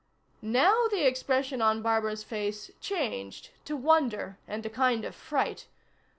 Now the expression on Barbara's face changed, to wonder and a kind of fright.